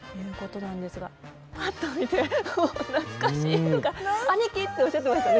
パッと見て「懐かしい」とか「アニキ！」っておっしゃってましたね